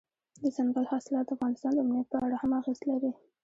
دځنګل حاصلات د افغانستان د امنیت په اړه هم اغېز لري.